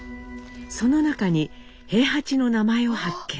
その中に兵八の名前を発見。